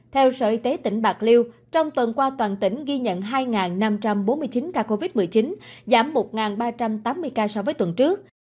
theo sở y tế tỉnh bạc liêu trong tuần qua toàn tỉnh ghi nhận hai năm trăm bốn mươi chín ca covid một mươi chín giảm một ba trăm tám mươi ca so với tuần trước